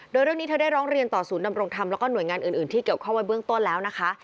โดยเรื่องนี้เธอได้ร้องเรียนต่อศูนย์ดำรงธรรมแล้วก็หน่วยงานอื่นที่เกี่ยวข้องไว้เบื้องต้นแล้วนะคะ